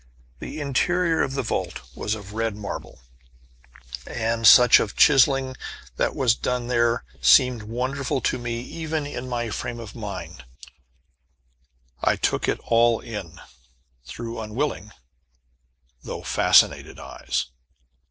The interior of the vault was of red marble, and, such of chiselling as there was done, seemed wonderful to me even in my frame of mind. I took it all in, through unwilling, though fascinated eyes.